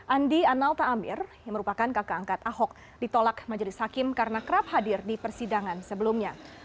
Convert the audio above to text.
andi analta amir yang merupakan kakak angkat ahok ditolak majelis hakim karena kerap hadir di persidangan sebelumnya